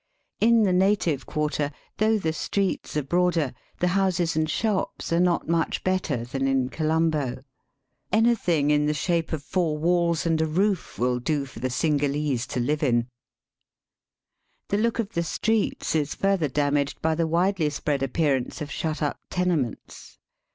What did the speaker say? In the native quarter, though the streets are broader, the houses and shops are not much better than in Colombo. Anything in the shape of four walls and a roof will do for the Cingalese Digitized by VjOOQIC THE ISLE OF SPICY BBEEZES. 153 to Kve in. The look of the streets is father damaged by the widely spread appearance of shut up tenements.